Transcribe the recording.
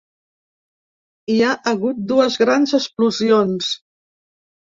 Hi ha hagut dues grans explosions.